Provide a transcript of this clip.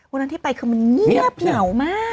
วันนั้นที่ไปคือมันเงียบเหงามาก